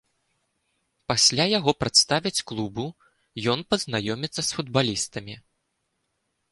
Пасля яго прадставяць клубу, ён пазнаёміцца з футбалістамі.